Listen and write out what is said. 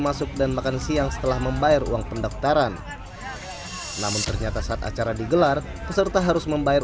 masuk dan makan siang setelah membayar uang pendaftaran namun ternyata saat acara digelar